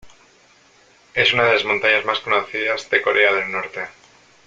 Es una de las montañas más conocidas de Corea del Norte.